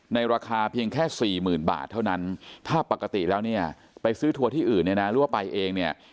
ในราคาเพียงแค่๔๐๐๐๐บาทเท่านั้นถ้าปกติแล้วเนี่ยไปซื้อทัวร์ที่อื่นในรั่วไปเองเนี่ย